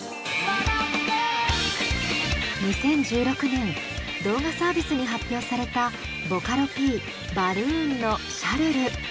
２０１６年動画サービスに発表されたボカロＰバルーンの「シャルル」。